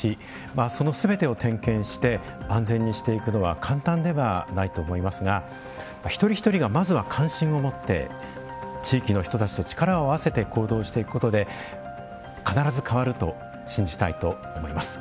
そのすべてを点検して安全にしていくのは簡単ではないと思いますが一人一人がまずは関心を持って地域の人たちと力を合わせて行動していくことで必ず変わると信じたいと思います。